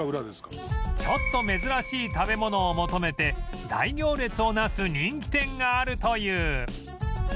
ちょっと珍しい食べ物を求めて大行列をなす人気店があるという